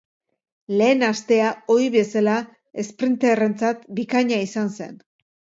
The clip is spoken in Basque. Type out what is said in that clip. Lehen astea, ohi bezala, esprinterrentzat bikaina izan zen.